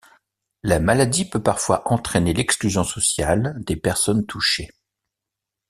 La maladie peut parfois entraîner l'exclusion sociale des personnes touchées.